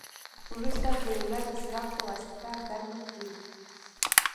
وروسته ګلوله د څراغ پواسطه ګرمه کړئ.